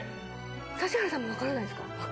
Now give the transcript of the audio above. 指原さんも分からないですか？